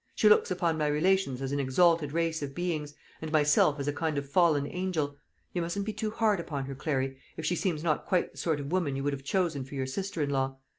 She looks upon my relations as an exalted race of beings, and myself as a kind of fallen angel. You mustn't be too hard upon her, Clary, if she seems not quite the sort of woman you would have chosen for your sister in law.